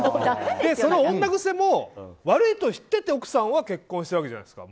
その女癖も悪いと知ってて奥さんは結婚したわけじゃないですか。